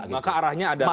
maka arahnya adalah